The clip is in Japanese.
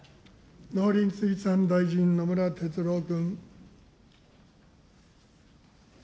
農林水産大臣、野村哲郎君。